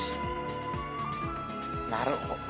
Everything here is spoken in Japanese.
なるほどね。